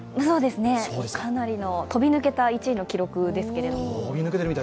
そうですね、かなりの飛び抜けた１位の記録ですけれども。